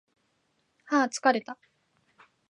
はー疲れた